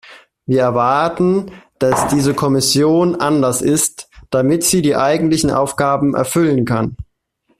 Wir erwarten, dass diese Kommission anders ist, damit sie die eigentlichen Aufgaben erfüllen kann.